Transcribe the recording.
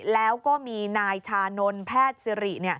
แล้วก็มีนายชานนท์แพทย์สิริ